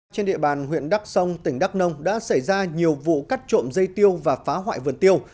trên địa bàn huyện đắk sông tỉnh đắk nông đã xảy ra nhiều vụ cắt trộm dây tiêu và phá hoại vườn tiêu